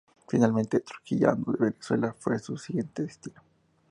Finalmente Trujillanos de Venezuela fue su siguiente destino.